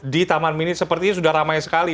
di taman mini sepertinya sudah ramai sekali